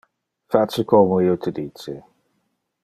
Face como io te dice.